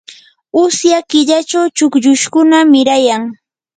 usya killachu chukllushkuna mirayan.